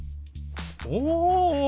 お！